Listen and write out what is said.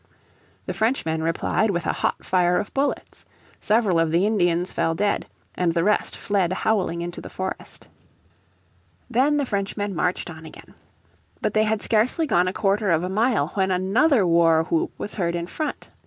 The Frenchmen replied with a hot fire of bullets. Several of the Indians fell dead, and the rest fled howling into the forest. Then the Frenchmen marched on again. But they had scarcely gone a quarter of a mile when another war whoop was heard in front.